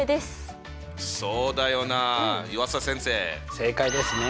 正解ですね。